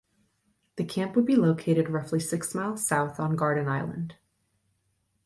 The camp would be located roughly six miles south on Garden Island.